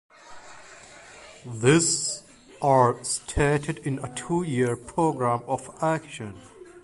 These are stated in a two-year Programme of Action.